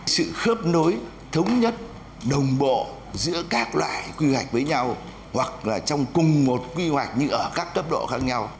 sự khớp nối thống nhất đồng bộ giữa các loại quy hoạch với nhau hoặc là trong cùng một quy hoạch như ở các cấp độ khác nhau